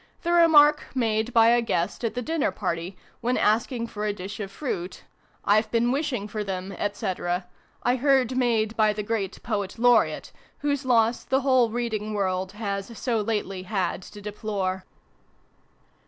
The remark, made by a guest at the dinner party, when asking for a dish of fruit (" I've xvi PREFACE. been wishing for them, &c.") I heard made by the great Poet Laureate, whose loss the whole reading world has so lately had to deplore.